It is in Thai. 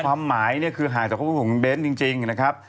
ความหมายเนี่ยคือห่างจากครอบครัวของคุณเบ้นจริงนะครับ